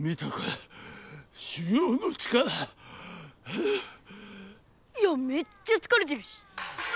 いやめっちゃつかれてるし！